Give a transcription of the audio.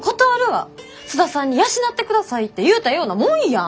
津田さんに養ってくださいて言うたようなもんやん！